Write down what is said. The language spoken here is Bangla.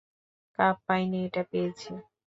কাপ পাইনি এটা পেয়েছি।